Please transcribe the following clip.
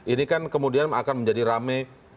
ini kan kemudian akan menjadi rame